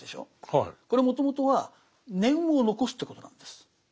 これもともとは念を残すということなんです。